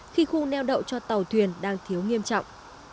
khi khu neo đậu cho tàu thuyền đang thiếu nghiêm trọng